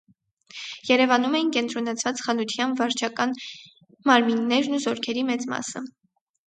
Երևանում էին կենտրոնացված խանության վարչական մարմիններն ու զորքերի մեծ մասը։